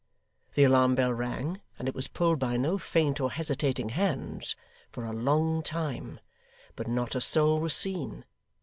The alarm bell rang and it was pulled by no faint or hesitating hands for a long time; but not a soul was seen.